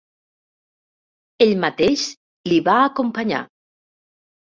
Ell mateix li va acompanyar.